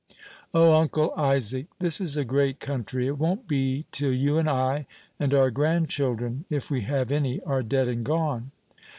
"O, Uncle Isaac, this is a great country; it won't be till you and I, and our grandchildren, if we have any, are dead and gone."